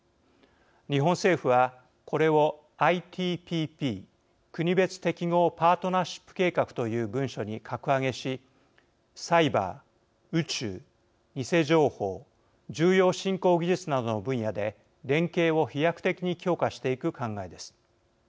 日本政府はこれをＩＴＰＰ国別適合パートナーシップ計画という文書に格上げしサイバー宇宙偽情報重要新興技術などの分野で連携を飛躍的に強化していく考えです。